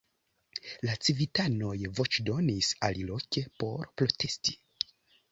La civitanoj voĉdonis aliloke por protesti.